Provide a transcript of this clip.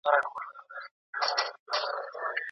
موږ د تېرو ټولنو له تجربو زده کړه کوو.